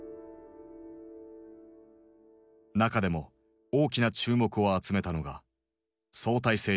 中でも大きな注目を集めたのが相対性理論。